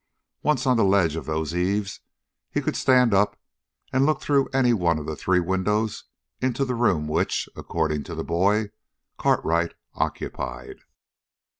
Once on the ledge of those eaves, he could stand up and look through any one of the three windows into the room which, according to the boy, Cartwright occupied.